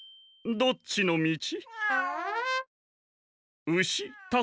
どっちのみち？